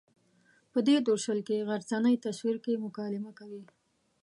په دې درشل کې غرڅنۍ تصور کې مکالمه کوي.